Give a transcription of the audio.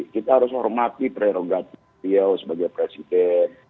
kita harus hormati prerogatif beliau sebagai presiden